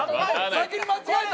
先に間違えた。